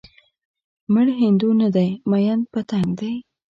مړ هندو نه دی ميئن پتنګ دی